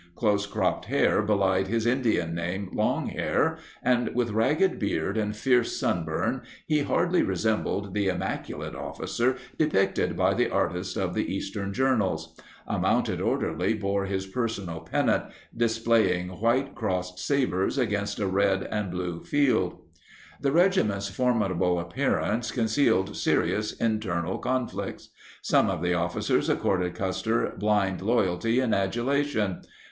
Close cropped hair belied his Indian name, "Long Hair," and with ragged beard and fierce sunburn he hardly resem bled the immaculate officer depicted by the artists of the eastern journals. A mounted orderly bore his personal pennant, displaying white crossed sabers against a red and blue field. The regiment's formidable appearance concealed serious internal conflicts. Some of the officers ac corded Custer blind loyalty and adulation.